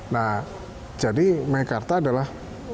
nah jadi mekarta adalah